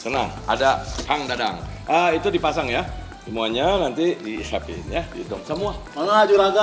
senang ada sang dadang itu dipasang ya semuanya nanti dihapin ya gitu semua